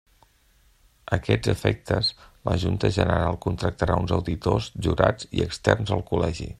A aquests efectes, la Junta General contractarà uns auditors jurats i externs al Col·legi.